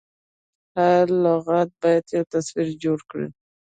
هر لغت باید یو تصویر جوړ کړي.